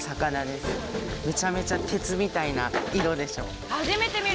めちゃめちゃ鉄みたいな色でしょ。